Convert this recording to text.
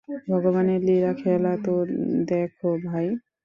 ভগবানের লীলাখেলা তো দেখ, ভাই।